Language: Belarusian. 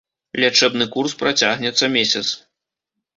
Лячэбны курс працягнецца месяц.